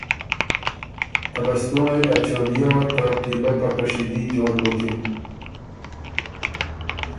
ته لستُوںړئ ا چولئے وه ته پیلۀ په کشیدي جوړ بُکِن۔